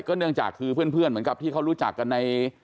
เนื่องจากคือเพื่อนเหมือนกับที่เขารู้จักกันใน